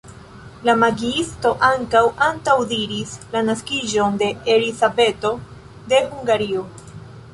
La magiisto ankaŭ antaŭdiris la naskiĝon de Elizabeto de Hungario.